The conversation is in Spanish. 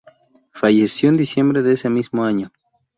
Falleció en diciembre de ese mismo año.